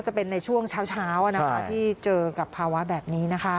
จะเป็นในช่วงเช้าที่เจอกับภาวะแบบนี้นะคะ